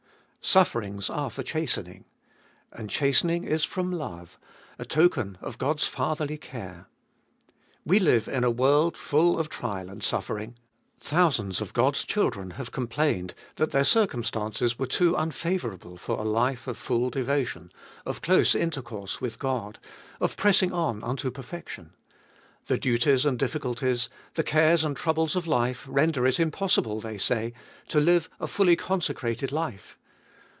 Sufferings are for chastening. And chastening is from love, a token of God's fatherly care. We live in a world full of trial and suffering. Thousands of God's children have complained that their circumstances were too unfavourable for a life of full devotion, of close intercourse with God, of pressing on unto per fection. The duties and difficulties, the cares and troubles of life, render it impossible, they say, to live a fully consecrated life.